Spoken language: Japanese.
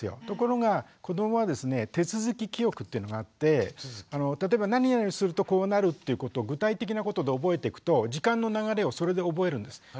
ところが子どもはですね手続き記憶っていうのがあって例えば何々するとこうなるっていうことを具体的なことで覚えてくと時間の流れをそれで覚えるんです。